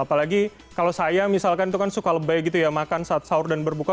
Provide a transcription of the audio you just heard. apalagi kalau saya misalkan itu kan suka lebay gitu ya makan saat sahur dan berbuka